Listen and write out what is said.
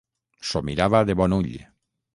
S'ho mirava de bon ull.